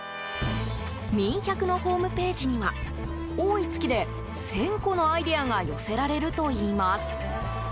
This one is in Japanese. みん１００のホームページには多い月で１０００個のアイデアが寄せられるといいます。